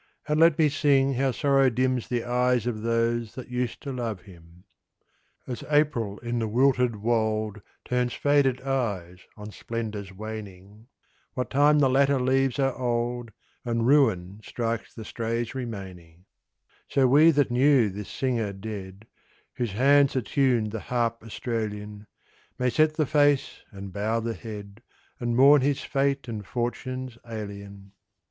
And let me sing how sorrow dims The eyes of those that used to love him. As April in the wilted wold Turns faded eyes on splendours waning, What time the latter leaves are old, And ruin strikes the strays remaining; So we that knew this singer dead, Whose hands attuned the harp Australian, May set the face and bow the head, And mourn his fate and fortunes alien.